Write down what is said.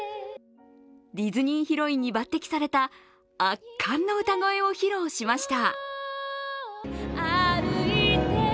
ディズニーヒロインに抜てきされた、圧巻の歌声を披露しました。